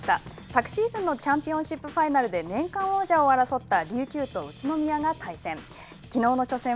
昨シーズンのチャンピオンシップファイナルで年間王者を争った琉球と宇都宮が対戦。